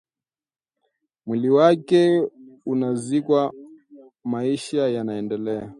Mwili wake unazikwa, maisha yanaendelea